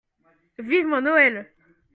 Vivement Noël !